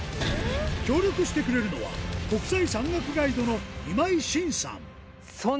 協力してくれるのは、国際山岳ガイドの今井晋さん。